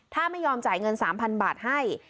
ถ้าไม่ยอมจ่ายเงิน๓๐๐บาทให้